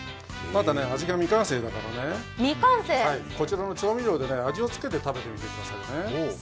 まだ味が未完成だからね、こちらの調味料で味を付けて食べてみてくださいね。